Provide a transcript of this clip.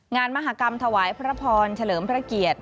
มหากรรมถวายพระพรเฉลิมพระเกียรติ